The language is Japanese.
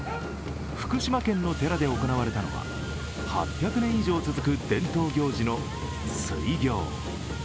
福島県の寺で行われたのは８００年以上続く伝統行事の水行。